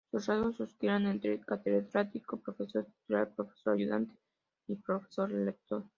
Sus rangos oscilan entre catedrático, profesor titular, profesor ayudante y profesor lector.